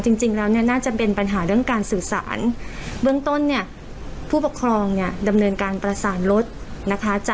จริงแล้วเนี่ยน่าจะเป็นปัญหาเรื่องการสื่อสารเบื้องต้นเนี่ยผู้ปกครองเนี่ยดำเนินการประสานรถนะคะ